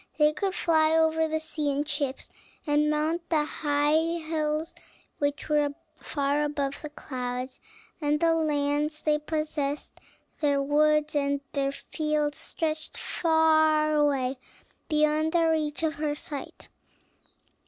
They could fly over the sea in ships, and mount the high hills which were far above the clouds; and the lands they possessed, their woods and their fields, stretched far away beyond the reach of her sight.